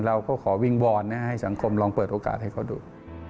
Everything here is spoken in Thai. เราก็ขอวิงวอนนะให้สังคมลองเปิดโอกาสให้เขาดู